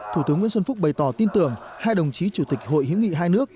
thủ tướng nguyễn xuân phúc bày tỏ tin tưởng hai đồng chí chủ tịch hội hữu nghị hai nước